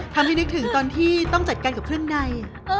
นึกถึงตอนที่ต้องจัดการกับเครื่องใน